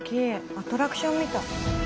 アトラクションみたい。